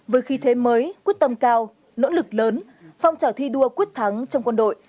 với khí thế mới quyết tâm cao nỗ lực lớn phong trào thi đua quyết thắng trong quân đội